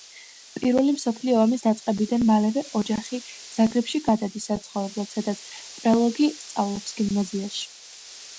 პირველი მსოფლიო ომის დაწყებიდან მალევე ოჯახი ზაგრებში გადადის საცხოვრებლად, სადაც პრელოგი სწავლობს გიმნაზიაში.